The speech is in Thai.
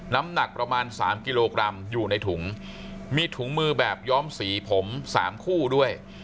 น้ำหนักประมาณ๓กิโลกรัมอยู่ในถุงมีถุงมือแบบย้อมสีผม๓คู่ด้วย